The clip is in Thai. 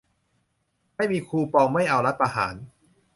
ไม่มีคูปองไม่เอารัฐประหาร